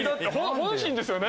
本心ですよね。